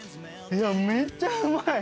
いやめっちゃうまい！